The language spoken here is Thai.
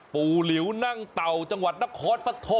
หลิวนั่งเต่าจังหวัดนครปฐม